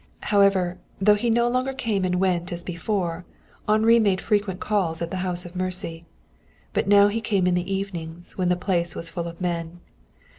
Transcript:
However, though he no longer came and went as before, Henri made frequent calls at the house of mercy. But now he came in the evenings, when the place was full of men.